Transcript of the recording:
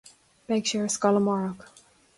Beidh sé ar scoil amárach